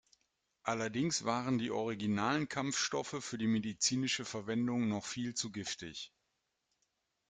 Allerdings waren die originalen Kampfstoffe für die medizinische Verwendung noch viel zu giftig.